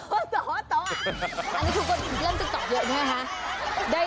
เริ่มจะกลิ่นด้วยอย่างไรฮะ